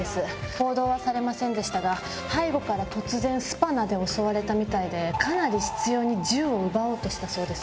報道はされませんでしたが、背後から突然、スパナで襲われたみたいで、かなり執ように銃を奪おうとしたそうです。